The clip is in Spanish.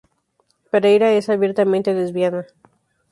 Pereyra es abiertamente lesbiana.